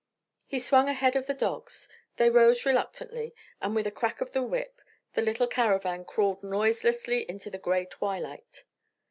He swung ahead of the dogs; they rose reluctantly, and with a crack of the whip the little caravan crawled noiselessly into the gray twilight.